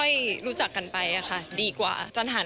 ยังยังไม่ได้เป็นแฟน